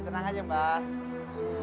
tenang aja mbak